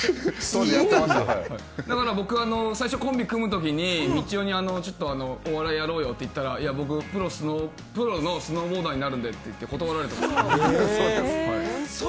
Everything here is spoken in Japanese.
僕最初コンビ組む時にみちおに、お笑いやろうよって言ったら、僕、プロのスノーボーダーになるんでと断られたんですよ。